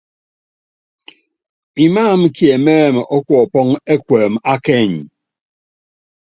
Imáam kiɛmɛ́ɛm ɔ kuɔpɔŋ ɛkuɛm a kɛɛny.